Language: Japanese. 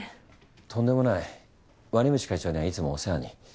とんでもない鰐淵会長にはいつもお世話に。